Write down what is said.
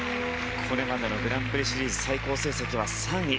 これまでのグランプリシリーズ最高成績は３位。